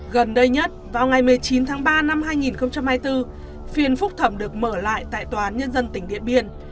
gần đây nhất vào ngày một mươi chín tháng ba năm hai nghìn hai mươi bốn phiền phúc thẩm được mở lại tại tòa án nhân dân tỉnh điện biên